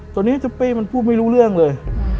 ตอนนี้ซุปปี้มันพูดไม่รู้เรื่องเลย